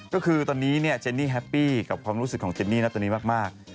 ก็คือตอนนี้เจนนี่แฮปปี้กับความรู้สึกของเจนนี่นะตอนนี้มาก